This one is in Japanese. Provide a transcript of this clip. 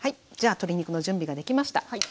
じゃ鶏肉の準備ができました。